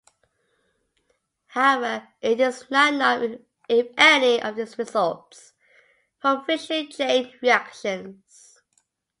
However, it is not known if any of this results from fission chain reactions.